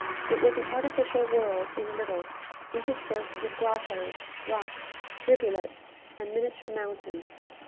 It was an artificial world in little, interspersed with grottoes, rocks, rivulets, and miniature mountains.